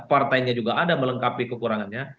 partainya juga ada melengkapi kekurangannya